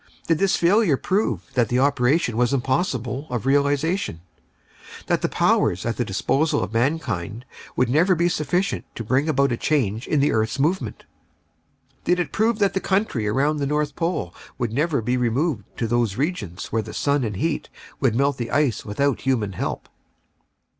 Did this failure prove that the operation was impossible of realization; that the powers at the disposal of mankind would never be sufficient to bring about a change in the earth's movement? Did it prove that the country around the North Pole would never be removed to those regions where the sun and heat would melt the ice without human help?